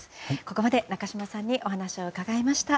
ここまで中島さんにお話を伺いました。